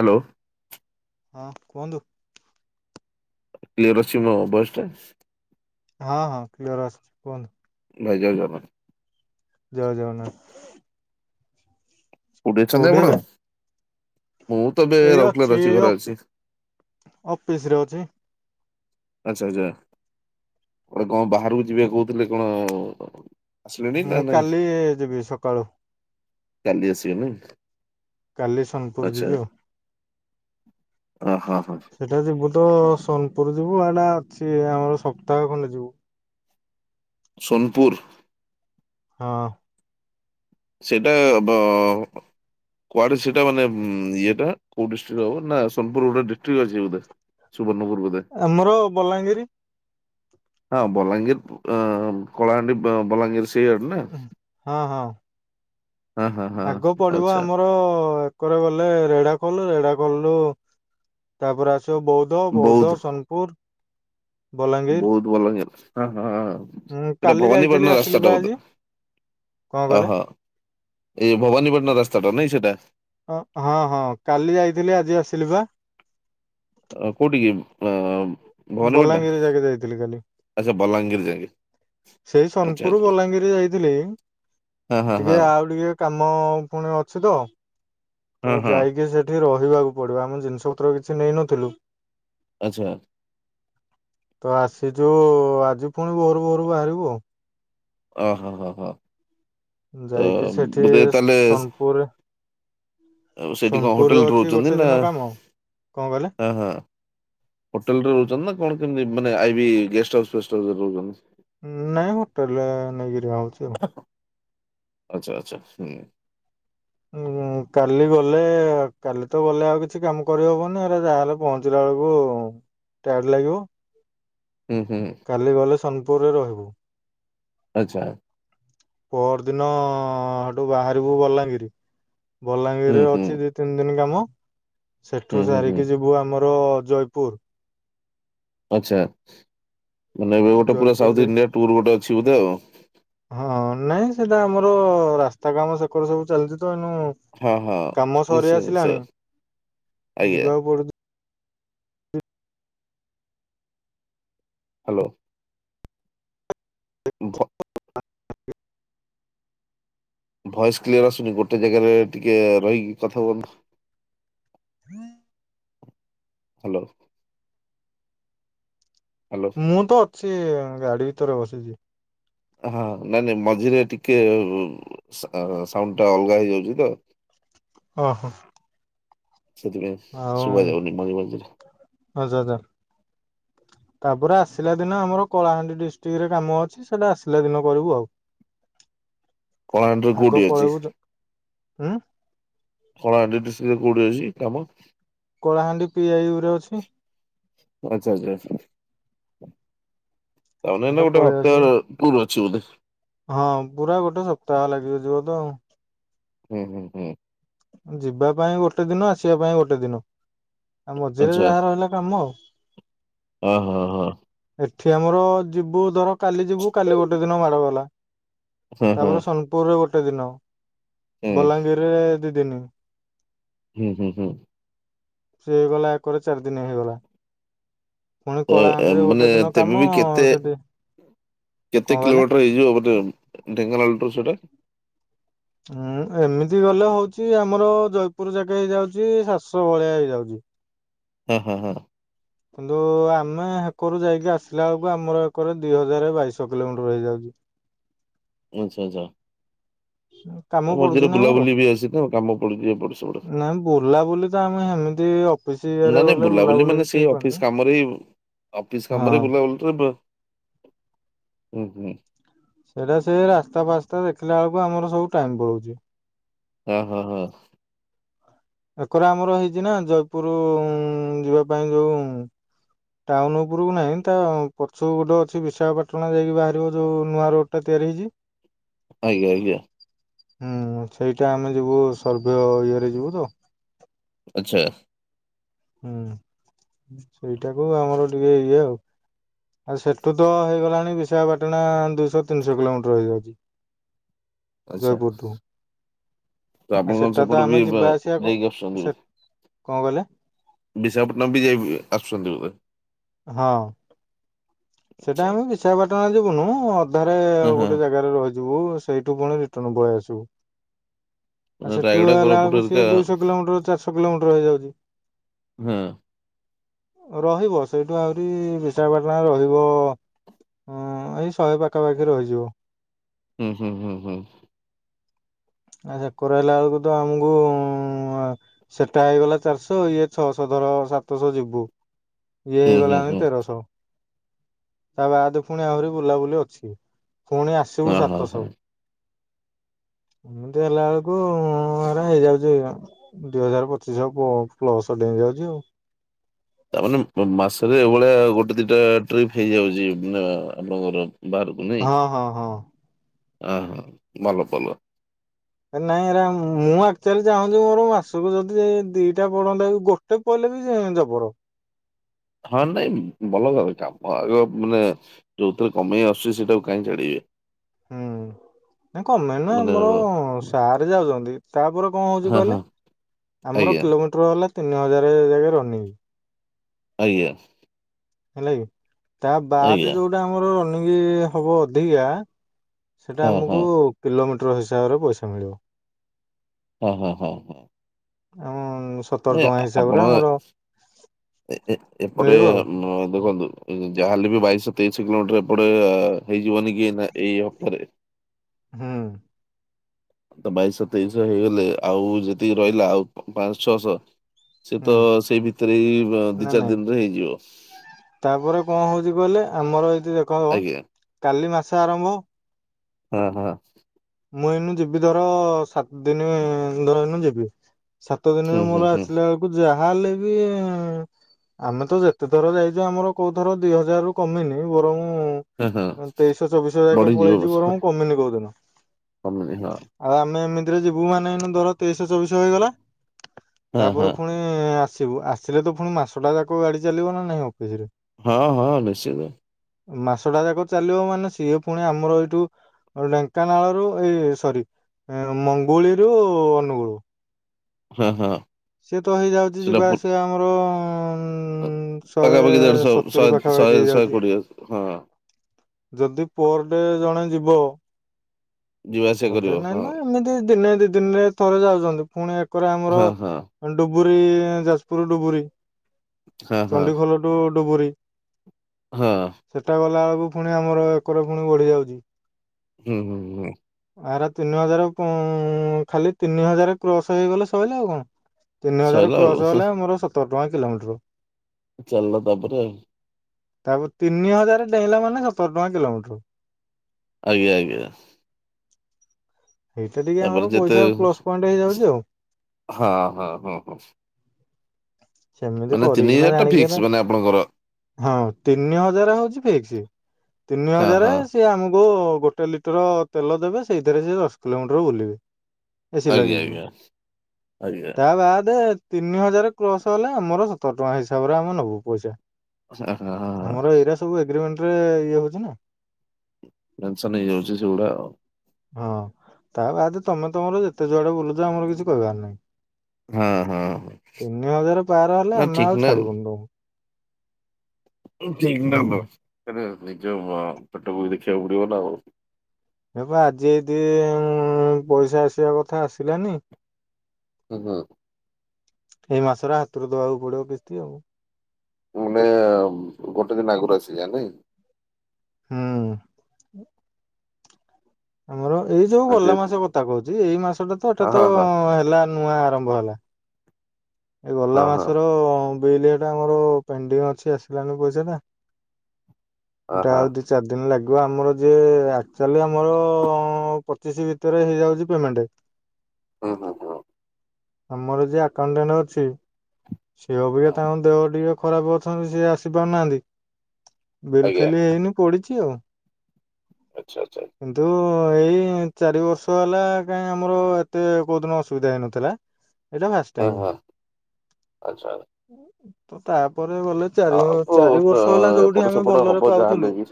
Hello. ହଁ କୁହନ୍ତୁ। Clear ଆସୁଚି ମୋ ଭଏସ ଟା? ହଁ ହଁ କ୍ଲିଅର ଆସୁଚି କୁହନ୍ତୁ। ଭାଇ ଜୟ ଜଗନ୍ନାଥ। ଜୟ ଜଗନ୍ନାଥ। କୋଉଠି ଅଛନ୍ତି ଆପଣ? ମୁଁ ତ ଏବେ ଏଇ ରାଉଲ୍କେଲାରେ ଅଛି ଘରେ ଅଛି। ଅଫିସିରେ ଅଛି। ଆଚ୍ଛା ଆଚ୍ଛା। ଗୋଟେ କଣ ବାହାରକୁ ଯିବେ କହୁଥିଲେ କଣ? ଆସିଲେନି ମୁଁ ନା ନାଇଁ? କାଲି ଯିବି ସକାଳୁ। କାଲି ଆସିବେ ନାଇଁ?। କାଲି ସୋନପୁର ଆଚ୍ଛା ଯିବି ଆଉ। ଅ ହଁ ହଁ। ସେଇଟା ଯିବୁ ତ ସୋନପୁର ଯିବୁ। ଏଇଟା ଅଛି, ଆମର ସପ୍ତାହ ଖଣ୍ଡେ ଯିବୁ। ସୋନପୁର୍। ହଁ। ସେଇଟା ବ କୁଆଡେ ସେଟା ମାନେ, ଇଏଟା କୋଉ ଡିଷ୍ଟ୍ରିକ୍ ରେ ହବ? ନା ସୋନପୁର ଗୋଟେ ଡିଷ୍ଟ୍ରିକ୍ ଅଛି ବୋଧେ। ସୁବର୍ଣ୍ଣପୁର୍ ବୋଧେ। ଆମର ବଲାଙ୍ଗୀରି। ହଁ, ବଲାଙ୍ଗୀର, ଅ-କଳାହାଣ୍ଡି, ବଲାଙ୍ଗୀର୍ ହଁ, ହଁ। ହଁ ହଁ ହଁ ଆଗ ପଡିବ ଆଚ୍ଛା ଆମର ଏକରେ ଗଲେ, ରେଢା ଖୋଲ୍, ରେଢା ଖୋଲରୁ, ତାପରେ ଆସିବ ବୌଦ୍ଧ, ବୌଦ୍ଧ ସୋନ ପୁର୍ ବୋହୁତ୍ ଭଲ ଜା-ହଁ ହଁ। ହୁଁ ସେଟା କାଲି ଯାଇଥିଲି ଭବାନୀପାଟଣା ଆସିଲି ରାସ୍ତା ଟା ବା ଆଜି ବୋଧେ? କଣ କହିଲେ ଅହ, ଏଇ ଭବାନୀପଟଣା ରାସ୍ତାଟା ନାଇଁ, ସେଇଟା? ଅ ହଁ ହଁ। କାଲି ଯାଇଥିଲି, ଆଜି ଆସିଲି ବା। ଅ-କୋଉଠି କି, ଅ-ଭବାନୀପଟଣା? ବଲାଙ୍ଗୀର ଯାକେ ଯାଇଥିଲି କାଲି। ଆଚ୍ଛା ବଲାଙ୍ଗୀର ଯାଙ୍କେ। ସେଇ, ସୋନ୍ ପୁର୍ ବଲାଙ୍ଗୀର୍ ଯାଇଥିଲି। ହଁ ହଁ ହଁ ଟିକେ ଆଉ ଟିକେ କାମ ପୁଣି ଅଛି ତ ତ, ହଁ ହଁ ଯାଇକି ସେଠି ରହିବାକୁ ପଡିବ। ଆମ ଜିନ୍ସ ପତ୍ର କିଛି ନେଇନଥିଲୁ ଆଚ୍ଛା। ତ, ଆସିଛୁ। ଆଜି ଫୁଣି ଭୋରୁ, ଭୋରୁ ବାହାରିବୁ ଆଉ। ଅ, ହଁ, ହଁ, ହଁ। ତ, ଯାଇକି ସେଠି ବୋଧେ ତାହେଲେ ସୋନପୁର ଆଉ ସେଇଠି କଣ ସୋନପୁରରେ ହୋଟେଲ ଅଛି ରହୁଛନ୍ତି ଗୋଟେ ନା? ଦିନ କାମ କଣ କହିଲେ? ହଁ, ହଁ। ହୋଟେଲ୍ ରେ ରହୁଛନ୍ତି ନା କଣ କେମିତି, ମାନେ ଆଇଭି ଗେଷ୍ଟ ହାଉସ୍, ଫେଷ୍ଟ ହାଉସ୍ ରେ ରହୁଛନ୍ତି? ନାଇଁ, ହୋଟେଲ୍ ରେ ନେଇକି, ରୁହା ହଉଛି ଆଉ। ଆଚ୍ଛା, ଆଚ୍ଛା। ହୁଁ। [unintelligible] କାଲି ଗଲେ, କାଲି ତ ଗଲେ ଆଉ କିଛି କାମ କରିହବନି ଏରା ଯାହାହେଲେ, ପହଞ୍ଚିଲା ବେଳକୁ ଟାୟାର୍ଡ ଲାଗିବ। ହୁଁ, ହୁଁ। କାଲି ଗଲେ, ସୋନ୍ ପୁର୍ ରେ ରହିବୁ। ଆଚ୍ଛା। ପହର ଦିନ, ହେଠୁ ବାହାରିବୁ ବଲାଙ୍ଗୀର୍। ହୁଁ ବଲାଙ୍ଗୀରିରେ ହୁଁ ଅଛି ଦି ତିନି ଦିନ୍ କାମ। ହୁଁ ସେଠୁ ହୁଁ ହୁଁ ସାରିକି ଯିବୁ ଆମର ଜୟପୁର୍ ଆଚ୍ଛା। ମାନେ, ଏବେ ଗୋଟେ ପୁରା ଜୟପୁର ସାଉଥ୍ ଯାଇ ଇଣ୍ଡିଆ ଟୁର୍ ଗୋଟେ ଅଛି ବୋଧେ, ଆଉ। ହଁ, ନାଇଁ ସେଇଟା ଆମର, ରାସ୍ତା କାମ ସେକରେ ସବୁ ଚାଲିଛି ତ, ଏନୁ ହଁ ହଁ କାମ ସରି ନିଶ୍ଚୟ ନିଶ୍ଚୟ ଆସିଲାଣି। ଆଜ୍ଞା ଯିବାକୁ ପଡୁ ହାଲୋ। ଭ ଭଏସ୍ କ୍ଲିୟର ଆସୁନି। ଗୋଟେ ଜାଗାରେ ଟିକେ ରହିକି କଥା ହୁଅନ୍ତୁ। [inaudible] ହାଲୋ। ହ୍ୟାଲୋ ମୁଁ ତ ଅଛି, ଗାଡି ଭିତରେ ବସିଛି। ହଁ, ନାଇଁ, ନାଇଁ ମଝିରେ ଟିକେ ଉ ସା-ସାଉଣ୍ଡ ଟା ଅଲଗା ହେଇଯାଉଛି ତ। ଅହ। ସେଥିପାଇଁ। ଆଉ, ଶୁଭା ଯାଉନି ମଝି ମଝିରେ ଆ ସଦା। [inaudible] ତାପରେ, ଆସିଲା ଦିନ ଆମର କଳାହାଣ୍ଡି ଡିଷ୍ଟ୍ରିକ୍ ରେ କାମ ଅଛି। ସେଟା ଆସିଲା ଦିନ କରିବୁ, ଆଉ। କଳାହାଣ୍ଡିରେ ଆଗ କୋଉଠି ଅଛି ପଳେଇବୁ ତ। ଉଁ। କଳା ହାଣ୍ଡି ଡିଷ୍ଟ୍ରିକ୍ଟ କୋଉଠି ଅଛି କାମ? କଳାହାଣ୍ଡି ପି ଆଇ ୟୁ ରେ ଅଛି। ଆଚ୍ଛା-ଆଚ୍ଛା-ଆଚ୍ଛା-ଆଚ୍ଛା ତାମାନେ ସେଟା ଏଇନା ଗୋଟେ ପଳେଇ ଆସିବୁ [unintelligible] [unintelligible] ଅଛି ବୋଧେ? ହଁ ପୁରା ଗୋଟେ ସପ୍ତାହ ଲାଗିବ ଯିବ ତ ଆଉ‌। ହୁଁ-ହୁଁ-ହୁଁ। ଯିବା ପାଇଁ ଗୋଟେ ଦିନ ଆସିବା ପାଇଁ ଗୋଟେ ଦିନ, ଆଉ ମଝିରେ ଯାହା ରହିଲା କାମ ଆଉ। ଓ-ହୋ-ହୋ। ଏଠି ଆମର ଯିବୁ ଧର କାଲି ଯିବୁ, କାଲି ଗୋଟେ ଦିନ ମାଡ ଗଲା। ହଁ ହଁ ତାପରେ ସୋନପୁର୍ ରେ ଗୋଟେ ଦିନ, ହୁଁ ବଲାଙ୍ଗୀର୍ ରେ ଦି ଦିନି। ହୁଁ-ହୁଁ-ହୁଁ। ସେ ହେଇଗଲା ଏକରେ ଚାରି ଦିନି ହେଇଗଲା। ପୁଣି ଏ ଏ କଳାହାଣ୍ଡିରେ ମାନେ ଗୋଟେ ଦିନ ତେବେ କାମ ବି କେତେ ସେଟି। କେତେ କିଲୋମିଟର ହେଇଯିବ [unintelligible] ଢେଙ୍କାନାଳ ରୁ ସେଇଟା? ଉଁ ଏମିତି ଗଲେ ହଉଚି ଆମର ଜୟପୁର୍ ଯାକେ ହେଇଯାଉଚି ଶାତସ ଭଳିଆ ହେଇଯାଉଚି। ହଁ-ହଁ-ହୁଁ। କିନ୍ତୁ ଆମେ ହେକରୁ ଯାଇକି ଆସିଲା ବେଳକୁ ଆମର ଏକରେ ଦି ହଜାର ବାଇଶହ କିଲୋମିଟର ହେଇଯାଉଚି। ଆଚ୍ଛା-ଆଚ୍ଛା। ହଁ କାମ ପଡୁଚି ନା ଆମର, ବୁଲାବୁଲି ବି ଅଛି ନା କାମ ପଡୁଛି ଏପଟେ ସେପଟେ। ନାଇଁ ବୁଲାବୁଲି ତ ଆମେ ହେମିତି ଅ ଫିସ୍ ନା ଇଏରେ ନାଇଁ ଗଲେ ବୁଲାବୁଲି କିଛି ହେଇପାରୁନି। ଅଫିସ୍ କାମରେ ହଁ ବୁଲାବୁଲି [unintelligible] ସେଇଟା ସେ ରାସ୍ତା ଫାସ୍ତା ଦେଖିଲା ବେଳକୁ ଆମର ସବୁ ଟାଇମ୍ ପଳଉଚି। ଓ-ହୋ-ହୋ। ଏକରେ ଆମର ହେଇଚି ନା ଜୟପୁର ଯିବା ପାଇଁ ଯୋଉ ଟାଉନ୍ ଉପୁରକୁ ନାଇଁ, ତା ପଛୁକୁ ଗୋଟେ ଅଛି ବିଶାଖାପାଟଣା ଯାଇକି ବାହାରିବ ଯୋଉ ନୂଆ ରୋଡ୍ ଟା ତିଆରି ହେଇଚି। ଆଜ୍ଞା-ଆଜ୍ଞା। ହୁଁ ସେଇଟା ଆମେ ଯିବୁ ସର୍ଭେ ଇଏରେ ଯିବୁ ତ। ଆଚ୍ଛା। ହୁଁ ସେଇଟାକୁ ଆମର ଟିକେ ଇଏ ଆଉ। ଆଉ ସେଠୁ ତ ହେଇଗଲାଣି ବିଶାଖାପାଟଣା ଦୁଇଶହ ତିନିଶହ କିଲୋମିଟର ହେଇଯାଉଚି। ଆଚ୍ଛା। ତ ଆଉ ଆପଣ କଣ ସେଟା ତ ସେପଟେ ଆମେ ବି ଯିବା ଆସିବା କ ଯାଇକି ଆସୁଛନ୍ତି? ସେ କଣ କହିଲେ? ବିଶାଖାପଟନମ୍ ବି ଯାଇି ଆସୁଛନ୍ତି ବୋଧେ? ହଁ ସେଟା ଆଚ୍ଛା ଆମେ ବିଶାଖପାଟଣା ଯିବୁନୁ, ଅ ଧାରେ ହଁ ହଁ ଗୋଟେ ଜାଗାରେ ରହିଯିବୁ, ସେଇଠୁ ପୁଣି ରିଟର୍ଣ ପଳେଇ ଆସିବୁ‌। ମାନେ ଆଉ ସେଠୁ ରାୟଗଡା ହେଲା କୋରାପୁଟ ବେଳକୁ ହେରିକା ସଏ ଦୁଇଶହ କିଲୋମିଟର ଚାରିଶହ କିଲୋମଟର ହେଇଯାଉଚି। ହୁଁ। ରହିବ ସେଇଠୁ ଆହୁରି ବିଶାଖାପାଟଣା ରହିବ ଅଁ ଏଇ ଶହେ ପା ଖାପାଖି ରହିଯିବ। ହୁଁ ହୁଁ ହୁଁ ହୁଁ। ଆ ସେକର ହେଲା ବେଳକୁ ତ ଆମୁକୁ ଆ। ସେଟା ହେଇଗଲା ଚାରିଶହ, ଇଏ ଛଅଶହ ଧର ସାତଶହ ଯିବୁ। ଇଏ ହୁଁ ହୁଁ ହେଇଗଲାଣି ହୁଁ ତେରଶହ, ତା ବାଦେ ପୁଣି ଆହୁରି ବୁଲାବୁଲି ଅଛି। ପୁଣି ଆସିବୁ ହଁ ହଁ ସାତସ ହଁ। ଏମ୍ତି ହେଲା ଵେଳୁକୁ ହଁରା ହେଇଯାଉଚି ଦି ହଜାର ପଚିଶଶହ ପ୍ଲସ ଡେଇଁ ଯାଉଚି ଆଉ। ତା ମାନେ ମାସରେ ଏଭଳିଆ ଗୋଟେ ଦିଟା ଟ୍ରିପ୍ ହେଇଯାଉଚି ମାନେ ଆପଣଙ୍କର ବାହାରକୁ। ହଁ-ହଁ-ହଁ। ଅ-ହଁ-ଭଲ-ଭଲ। ହେ ନାଇଁ ହେରା ମୁଁ ଆକ୍ଚୁଆଲି ଚାହୁଁଚି ମୋର ମାସୁକୁ ଯଦି ଦିଟା ପଡନ୍ତା କି ଗୋ ଟେ ପଇଲେ ବି ଯବର। ହଁ ନାଇଁ ଭଲ କ କାମ ଆଗ ମାନେ ଯୋଉଥିରେ କମେଇ ଆସୁଛି ସେଟା କାହିଁଛାଡିଏ। ହୁଁ ନାଇ କମେ ନା ମାନେ ଆମର ସାରେ ଯାଉଚନ୍ତି। ତାପରେ କଅଁ ହଉଛି ହଁ ହଁ କହିଲେ ଆମର ଆଜ୍ଞା କିଲୋମିଟର ହେଲା ତିନି ହଜାର ଜାଗାରେ ରନିଙ୍ଗି ଆଜ୍ଞା। ହେଲା କିି ତା ବାଦ ଆଜ୍ଞା ଯୋଉଟା ଆମର ରନଙ୍ଗି ହବ ଅଧିକା ସେଟା ହଁ ହଁ ଆମକୁ କିଲୋମିଟର ହିସାବରେ ପଇସା ମିଳିବ। ହ, ହ, ହ, ହ। ଆମ ସ୍। ନ ଆପଣ ଏ ଏପଟେ ମିଳିବ ଆଉ। ଦେଖନ୍ତୁ ଯାହାହେଲେ ବି ବାଇଶିହ ତେଇଶ କିଲୋମିଟର ଏପଟେ ଆ ହେଇଯିବନି କି ଏଇ ନା ଏଇ ଉପରେ। ହୁଁ। ତ ବାଇଶହ ତେଇଶିଶହ ହେଇଗଲେ ଆଉ ଯେତିକି ରହିଲା ଆଉ ପାଆଁ ଶହ ଛଅଶହ ସେ ତ ହୁଁ ସେଇ ଭିତରେ ବି ନା ଦିଚାରି ନାଇଁ ଦିନରେ ହେଇଯିବ। ତାପରେ କଅଁ ହଉଚି କହିଲେ ଆମର ଯଦି ଦେଖ ଆଜ୍ଞା କାଲି ମାସ ଆରମ୍ଭ ହଁ ହଁ। ମୁଁ ଏଇନୁ ଯିବି ଧର ସାତ ଦିନ ଧର ଏଇନୁ ଯିବି ସାତ ଦିନରେ ହୁଁ ହୁଁ ମୋର ହୁଁ ଆସିଲା ବେଳକୁ ଯାହା ହେଲେ ବି ଆମେ ତ ଯେତେ ଥର ଯାଇଚୁ ଆମର କୋଉ ଥର ଦି ହଜାର ରୁ କମିନି ବରଂ ହଁ ହଁ ତେଇଶହ ଚବିଶ ଯାକେ ପଳେଇଚି ବରମ କମିନି କୋଉଦ୍ଦିନ। କମିଜୀବ। ଆଉ ଆମେ ଏମିତିରେ ଯିବୁ ମାନେଇନୁ ଧର ତେଇଶହ ଚବିଶ ହେଇଗଲା ହଁ ହଁ ତାପରେ ପୁଣି ଇଁ ଆସିବୁ ଆସିଲେ ତ ପୁଣି ମାସଟା ଯାକ ଗାଡି ଚାଲିବ ନା ନାଇଁ ଅଫିସିରେ। ହଁ ହଁ ନିଶ୍ଚିତ। ମାସ ଟା ଯାକ ଚାଲିବ ମାନେ ସିଏ ପୁଣି ଆମର ଏଇଠୁ ଢେଙ୍କାନାଳ ରୁ ଏଇ ସରି ମଙ୍ଗୁଳିରୁ ଅନୁଗୁଳ ହଁ ହଁ ସେଏତ ହେଇଯାଉଚି ସେଟା ଯିବା ପୁ ଆସିବା ଆମର ଉ ଶହେ ପାଖାପାଖି ଦେଢଶହ ଶହେ ସତୁରୀ ଶହେ ପାଖାପାଖି ଶହେ ହେଇଯାଉଚି। କୋଡିଏ ହଁ ଯଦି ପଅର ଡେ ଜଣେ ଯିବ ଯିବା ଆସିବା ଗୋଟେ କରିବ ନାଇଁ ହଁ। ତ ଏମିତି ଦିନେ ଦି ଦିନରେ ଥରେ ଯାଉଚନ୍ତି ପୁଣି ଏକରେ ଆମର ହଁ ହଁ ଡୁବରୀ ଯାଜପୁର ଡୁବୁରୀ ହଁ ହଁ ଚଣ୍ଡିଖୋଲ ଠୁ ଡୁବରୀ ହଁ। ସେଟା ଗଲାବେଳକୁ ପୁଣି ଆମର ଏକର ପୁଣି ବଢ଼ିଯାଉଚି। ହୁଁ ହୁଁ ହୁଁ। ଆର ତିନି ହଜାର ଖାଲି ତିନି ହଜାର କ୍ରସ ହେଇଗଲେ ସଇଲା ଆଉ କଣ ତିନି ହଜାର ସଇଲା ଆଉ କ୍ରସ ହେଲେ ଆମର ସତର ଟଙ୍କା କିଲୋମିଟର। ଚାଲିଲା ତାପରେ ଆଉ ତାପରେ ତିନି ହଜାର ଡେଇଁଲା ମାନେ ସତର ଟଙ୍କା କିଲୋମିଟର। ଆଜ୍ଞା ଆଜ୍ଞା। ସେଇଟା ଟିକେ ଆମର ତାପର ଯେତେ ପଇସା ପ୍ଲସ ପଏଣ୍ଟ ହେଇଯାଉଛି ଆଉ ହଁ ହଁ ହଁ ହଁ। ସେମିତି ମାନେ ତିନି କରିକିଣା ହଜାର ଟା ଫିକ୍ସ ଜାଣିକିହେରା। ମାନେ ଆପଣଙ୍କର ହଁ ତିନି ହଜାର ହଉଛି ଫିକ୍ସ ତିନି ହଁ ହଜାର ହଁ ସେ ଆମକୁ ଗୋଟେ ଲିଟର ତେଲ ଦେବେ ସେଇଥିରେ ସେ ଦଶ କିଲୋମିଟର ବୁଲିବେ। ଏସି ଆଜ୍ଞା ଲଗେଇ କି ଆଜ୍ଞା ଆଜ୍ଞା ତା ବାଦେ ତିନି ହଜାର କ୍ରସ ହେଲେ ଆମର ସତର ଟଙ୍କା ହିସାବରେ ଆମେ ନବୁ ପଇସା। ହ ହ ହ। ଆମର ଏଇରା ସବୁ ଏଗ୍ରିମେଣ୍ଟରେ ଇଏ ହଉଛି ନା। ଜନସନ ହେଇଯାଉଛି ସେଗୁଡା ଆଉ ହଁ ତା ବାଦ ତମେ ତମର ଯେତେ ଯୁଆଡେ ବୁଲୁଛ ଆମର କିଛି କହିବାର ନାହିଁ। ହଁ ହଁ ହଁ ତିନି ହଜାର ପାର ହେଲେ ନା ଆମେ ଠିକ ଆଉ ନା ଛାଡିବୁନ ତମକୁ। ଠିକ୍ ନାତ ହୁଁ ତେବେ ନିଜ ପେଟକୁ ବି ଦେଖିବାକୁ ପଡିବ ନା ଆଉ ଏପା ଆଜି ଏଇଦି ଇଁ ପଇସା ଆସିବା କଥା ଆସିଲାନି। ହୁଁ ହୁଁ। ଏଇ ମାସରେ ହାତରେ ଦବାକୁ ପଡିବ କିସ୍ତି ଆଉ। ଉମେ ଗୋଟେ ଦିନ ଆଗରୁ ଆସେ ଜାଣିନକି? ହୁଁ। ଆମର ଏଇ ଯୋଉ ଗଲା ଯେହେତୁ ମାସ କଥା କହୁଛି ଏଇ ମାସ ଟା ତ ଏଟା ହଁ ତ ହଁ ହେଲା ନୂଆ ଆରମ୍ଭ ହେଲା ଏ ଗଲା ହଁ ମାସର ହଁ ବିଲ ହେଟା ଆମର ପେଣ୍ଡିଙ୍ଗ ଅଛି ଆସିଲାନି ପଇସାଟା ହଁ ହଁ ହଁ [inaudible] ଚାରି ଦିନ ଲାଗିବ ଆମର ଯିଏ ଆକ୍ଚୁଆଲି ଆମର ପଚିଶି ଭିତରେ ହେଇଯାଉଛି ପେମେଣ୍ଟ। ହୁଁ ହୁଁ ହୁଁ। ଆମର ଯିଏ ଆକାଉଣ୍ଟାଣ୍ଟ ଅଛି ସିଏ ଅବିକା ତାଙ୍କ ଦେହ ଟିକେ ଖରାପ ଅଛନ୍ତି ସିଏ ଆସି ପାରୁନାହାନ୍ତି। ଆଜ୍ଞା ବିଲଫିଲି ହେଇନି ପଡିଛି ଆଉ। ଆଚ୍ଛା ଆଚ୍ଛା। କିନ୍ତୁ ଏଇ ଚାରି ବର୍ଷ ହେଲା କାଇଁ ଆମର ଏତେ କଉଦିନ ଅସୁବିଧା ହେଇନଥିଲା। ଏଇଟା ଫାଷ୍ଟ ଅ ଟାଇମ୍। ହ ଆଚ୍ଛା୍। ତ ତାପରେ ଗଲେ ଚାରି ଆଉ ଚାରି ତ ବର୍ଷ ହେଲା ଯୋଉଠି ଏପଟ ଆମେ ସେପଟ ଭଲରେ ହବ ପାଉଥିଲୁ ଯାହାହେଲେ ବି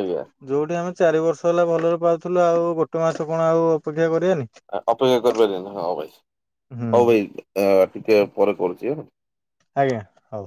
ଆଜ୍ଞା ଯୋଉଠି ଆମେ ଚାରି ବର୍ଷ ହେଲା ଭଲରେ ପାଉଥିଲୁ ଆଉ ଗୋଟେ ମାସ କଣ ଆଉ ଅପେକ୍ଷା କରିବାନି? ଅପେକ୍ଷା କରିପାରିବାନି ହଉ ଭାଇ ହୁଁ ହଉ ଭାଇ ଟିକେ ପରେ କରୁଛିହେଲା। ଆଜ୍ଞା। ହଉ।